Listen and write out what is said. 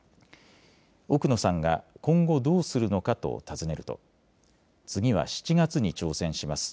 奧野さんが今後どうするのかと尋ねると次は７月に挑戦します。